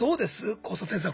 交差点さん。